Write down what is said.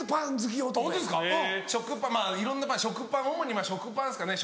いろんなパン主にまぁ食パンですかね。